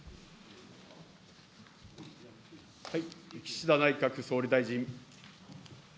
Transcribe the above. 岸田内閣総理大臣。